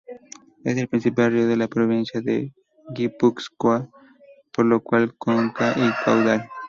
Es el principal río de la provincia de Guipúzcoa, por longitud, cuenca y caudal.